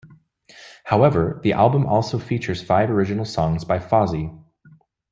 However, the album also features five original songs by Fozzy.